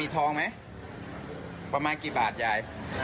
โอ้โหทองประมาณ๓๐บาทเนอะ